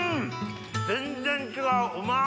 全然違ううまっ！